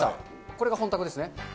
これが本宅ですね。